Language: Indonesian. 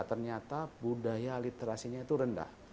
ternyata budaya literasinya itu rendah